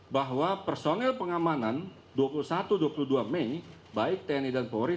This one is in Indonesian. bahwa personil pengamanan dua puluh satu dua puluh dua mei baik tni dan polri